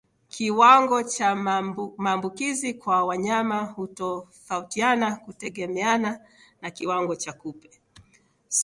Kiwango cha maambukizi kwa wanyama hutofautiana kutegemeana na kiwango cha kupe